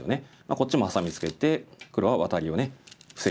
こっちもハサミツケて黒はワタリを防ぎます。